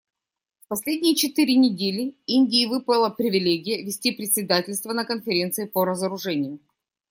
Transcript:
В последние четыре недели Индии выпала привилегия вести председательство на Конференции по разоружению.